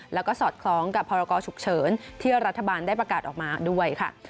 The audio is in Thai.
แล้วก็สอดคล้องกับพรกรฉุกเฉินที่รัฐบาลได้ประกาศออกมาด้วยค่ะ